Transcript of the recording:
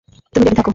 তুমি রেডি থাকো।